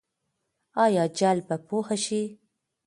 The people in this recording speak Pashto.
آیا جهل به پوهه شي؟